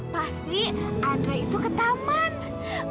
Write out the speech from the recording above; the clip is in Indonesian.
pasti andra itu ke taman